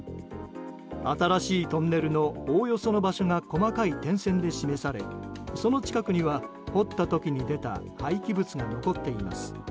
新しいトンネルのおおよその場所が細かい点線で示されその近くには掘った時に出た廃棄物が残っています。